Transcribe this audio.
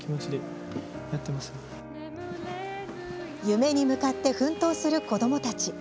夢に向かって奮闘する子どもたち。